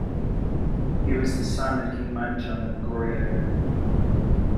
He was the son of King Munjong of Goryeo.